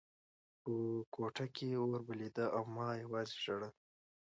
په کوټه کې اور بلېده او ما یوازې ژړل